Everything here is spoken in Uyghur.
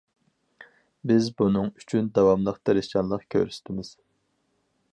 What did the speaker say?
بىز بۇنىڭ ئۈچۈن داۋاملىق تىرىشچانلىق كۆرسىتىمىز.